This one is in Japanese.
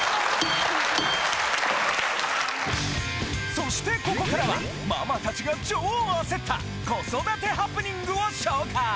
そしてここからはママ達が超焦った子育てハプニングを紹介！